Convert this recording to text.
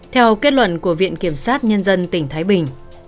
theo kết luận của viện kiểm sát nhân dân tỉnh thái bình